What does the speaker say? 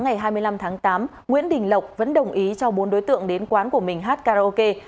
ngày hai mươi năm tháng tám nguyễn đình lộc vẫn đồng ý cho bốn đối tượng đến quán của mình hát karaoke